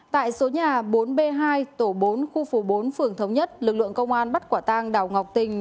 tại số nhà bốn b hai tổ bốn khu phố bốn phường thống nhất lực lượng công an bắt quả tang đào ngọc tình